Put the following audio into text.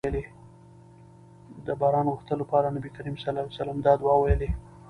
د باران غوښتلو لپاره نبي کريم صلی الله علیه وسلم دا دعاء ويلي